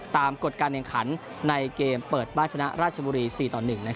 ตามกฎการแนะขันในเกมเปิดมาชนะราชบุรี๔ต่อ๑